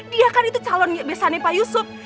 dia kan itu calon besarnya pak yusuf